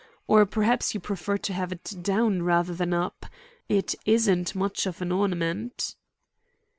Or perhaps you prefer to have it down rather than up? It isn't much of an ornament."